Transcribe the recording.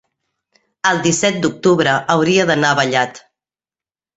El disset d'octubre hauria d'anar a Vallat.